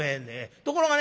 ところがね